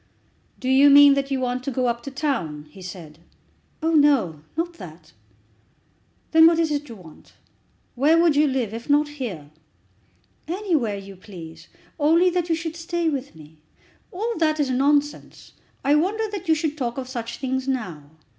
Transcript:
"Do you mean that you want to go up to town?" he said. "Oh, no; not that." "Then what is it you want? Where would you live, if not here?" "Anywhere you please, only that you should stay with me." "All that is nonsense. I wonder that you should talk of such things now.